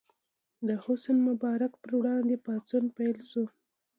د حسن مبارک پر وړاندې پاڅون پیل شو.